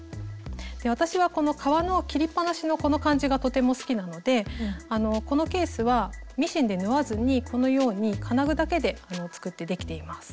で私はこの革の切りっぱなしのこの感じがとても好きなのでこのケースはミシンで縫わずにこのように金具だけで作ってできています。